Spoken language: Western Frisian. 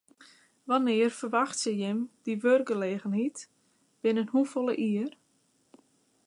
Wannear ferwachtsje jim dy wurkgelegenheid, binnen hoefolle jier?